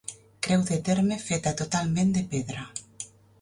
Creu de terme feta totalment de pedra.